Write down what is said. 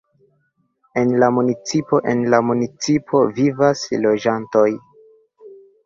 En la municipo En la municipo vivas loĝantoj.